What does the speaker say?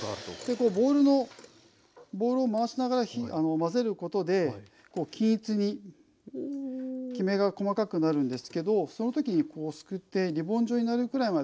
こうボウルを回しながら混ぜることで均一にきめが細かくなるんですけどそのときにすくってリボン状になるくらいまでが目安になります。